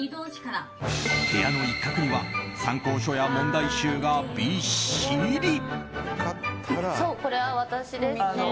部屋の一角には参考書や問題集がびっしり。